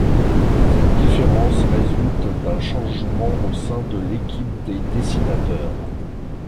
Cette différence résulte d'un changement au sein de l'équipe des dessinateurs.